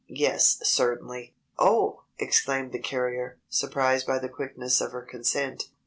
"Yes! Certainly!" "Oh!" exclaimed the carrier, surprised by the quickness of her consent.